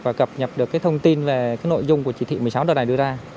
và cập nhập được cái thông tin về nội dung của chỉ thị một mươi sáu đợt này đưa ra